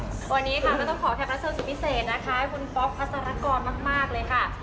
ก็พูดกันง่ายเลยนะคะ